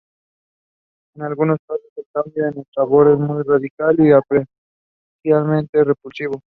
En algunos casos, el cambio en el sabor es muy radical y apreciablemente repulsivo.